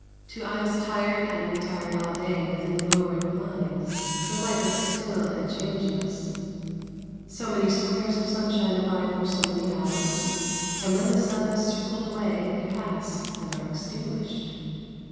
To eyes tired and retired all day within lowered blinds, the light looks still and changeless. So many squares of sunshine abide for so many hours, and when the sun has circled away they pass and are extinguished.